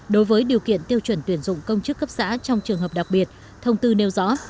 đối với điều kiện tiêu chuẩn tuyển dụng công chức cấp xã trong trường hợp đặc biệt thông tư nêu rõ